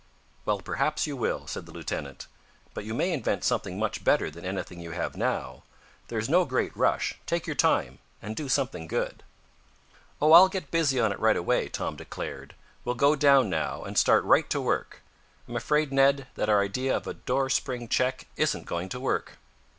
"Well, perhaps you will," said the lieutenant. "But you may invent something much better than anything you have now. There is no great rush. Take your time, and do something good." "Oh, I'll get busy on it right away," Tom declared. "We'll go down now, and start right to work. I'm afraid, Ned, that our idea of a door spring check isn't going to work."